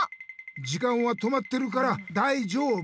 時間は止まってるからだいじょうぶ！